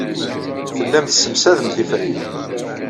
Tellam tessemsadem tiferyin.